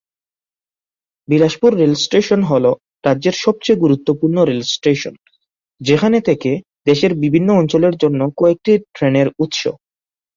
Bilaspur rail station হল রাজ্যের সবচেয়ে গুরুত্বপূর্ণ রেলস্টেশন, যেখানে থেকে দেশের বিভিন্ন অঞ্চলের জন্য কয়েকটি ট্রেনের উৎস।